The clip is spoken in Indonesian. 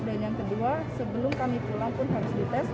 dan yang kedua sebelum kami pulang pun harus dites